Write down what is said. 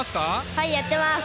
はい、やってます。